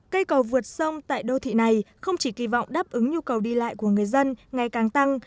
cây cầu vượt sông tại đô thị này không chỉ kỳ vọng đáp ứng nhu cầu đi lại của người dân ngày càng tăng